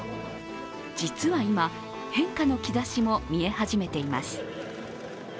実は今、変化の兆しも見え始めています。